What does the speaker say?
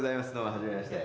はじめまして。